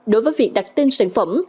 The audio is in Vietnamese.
đối với việc đặt tên sản phẩm